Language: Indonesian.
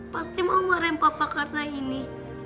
pasti mau marahin papa karena ini